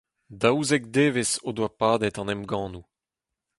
Daouzek devezh o doa padet an emgannoù.